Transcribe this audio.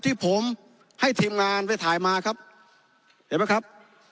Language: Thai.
ที่ผมให้ทีมงานไปถ่ายมาครับเห็นไหมครับ